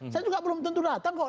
saya juga belum tentu datang kok